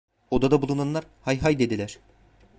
Odada bulunanlar: "Hay hay!" dediler.